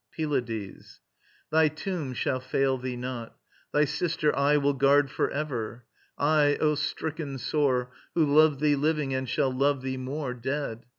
PYLADES. Thy tomb shall fail thee not. Thy sister I Will guard for ever. I, O stricken sore, Who loved thee living and shall love thee more Dead.